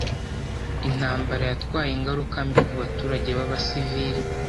intambara yatwaye ingaruka mbi ku baturage b'abasivili